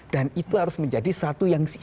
dan itu harus menjadi satu yang